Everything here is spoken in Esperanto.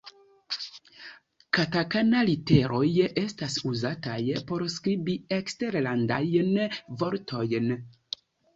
Katakana-literoj estas uzataj por skribi eksterlandajn vortojn.